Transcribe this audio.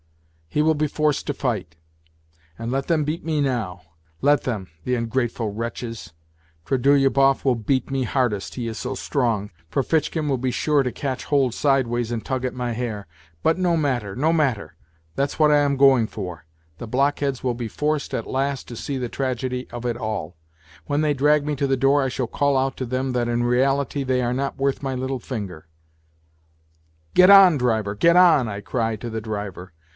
He will be forced to fight. And let them beat me now. Let them, the ungrateful wretches ! Trudo lyubov will beat me hardest, he is so strong ; Ferfitchkin will be sure to catch hold sideways and tug at my hair. But no matter, no matter ! That's what I am going for. The blockheads will be forced at last to see the tragedy of it all ! When they drag me to the door I shall call out to them that in reality they are not worth my little finger. Get on, driver, get on !" I cried to the driver.